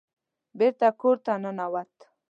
بېرته کور ته ننوت.